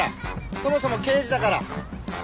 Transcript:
そもそも刑事だから。